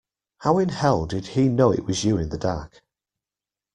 How in hell did he know it was you in the dark.